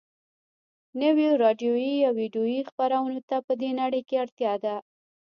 نویو راډیویي او ويډیویي خپرونو ته په دې نړۍ کې اړتیا ده